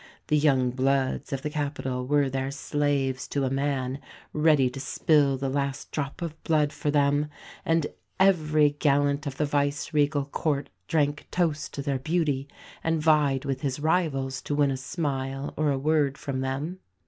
The young "bloods" of the capital were their slaves to a man, ready to spill the last drop of blood for them; and every gallant of the Viceregal Court drank toasts to their beauty, and vied with his rivals to win a smile or a word from them.